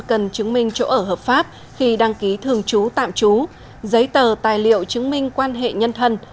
cần chứng minh chỗ ở hợp pháp khi đăng ký thường trú tạm trú giấy tờ tài liệu chứng minh quan hệ nhân thân